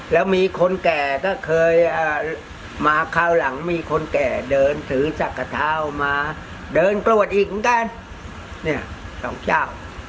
แล้วมีคนแก่ก็เคยมาคราวหลังมีคนแก่เดินถือจักรเท้ามาเดินกรวดอีกเหมือนกันเนี่ยสองเจ้า